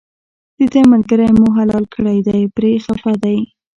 دده ملګری مو حلال کړی دی پرې خپه دی.